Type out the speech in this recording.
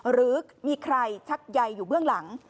หรือมีใครชักใยอยู่เบื้องหลัง